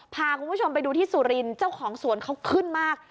พาคุณผู้ชมไปดูที่สุรินทร์เจ้าของสวนเขาขึ้นมาก